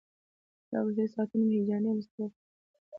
دا وروستي ساعتونه مې هیجاني او مضطرب وو.